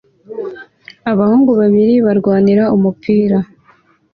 Abahungu babiri barwanira umupira